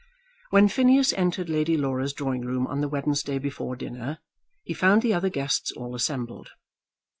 When Phineas entered Lady Laura's drawing room on the Wednesday before dinner, he found the other guests all assembled.